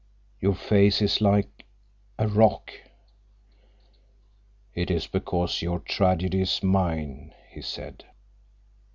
Your face is like—a rock." "It is because your tragedy is mine," he said.